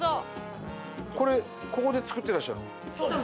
これここで作ってらっしゃる？